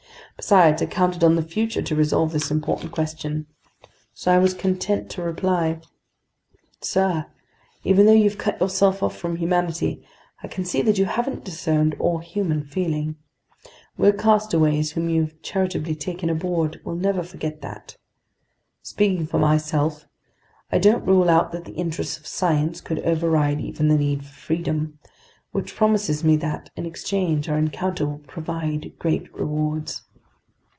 Besides, I counted on the future to resolve this important question. So I was content to reply: "Sir, even though you've cut yourself off from humanity, I can see that you haven't disowned all human feeling. We're castaways whom you've charitably taken aboard, we'll never forget that. Speaking for myself, I don't rule out that the interests of science could override even the need for freedom, which promises me that, in exchange, our encounter will provide great rewards."